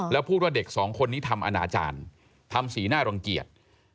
แล้วพูดว่าเด็กสองคนนี้ทำอนาจารย์ทำสีหน้ารังเกียจ